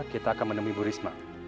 kita akan menemui bu risma